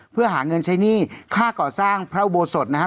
เพื่อหาเงินใช้หนี้ค่าก่อสร้างพระอุโบสถนะครับ